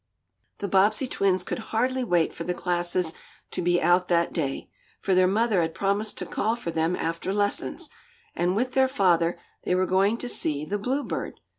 The Bobbsey twins could hardly wait for the classes to be out that day, for their mother had promised to call for them after lessons, and, with their father, they were going to see the Bluebird.